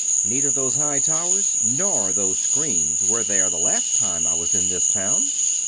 "Neither those high towers nor those screens were there the last time I was in this town.